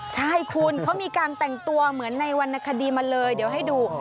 ใช่คุณเขามีการแต่งตัวเหมือนในวรรณคดีมาเลยเดี๋ยวให้ดู